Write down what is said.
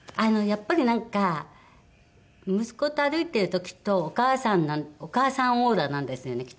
やっぱりなんか息子と歩いてるときっとお母さんお母さんオーラなんですよねきっと。